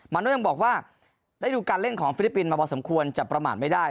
โน่ยังบอกว่าได้ดูการเล่นของฟิลิปปินส์มาพอสมควรจะประมาทไม่ได้